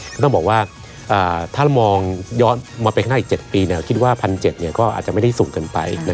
ก็ต้องบอกว่าถ้ามองย้อนมาไปข้างหน้าอีก๗ปีคิดว่า๑๗๐๐ก็อาจจะไม่ได้สูงเกินไป